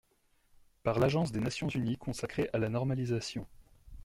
par l'agence des Nations Unies consacrée à la normalisation.